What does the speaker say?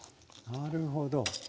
なるほど。